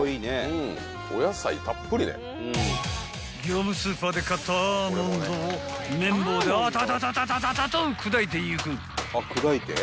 ［業務スーパーで買ったアーモンドを麺棒でアタタタタと砕いていく］